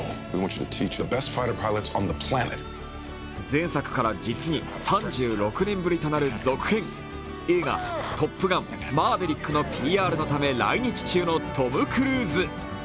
前作から実に３６年ぶりとなる続編、映画「トップガンマーヴェリック」のＰＲのため来日中のトム・クルーズ。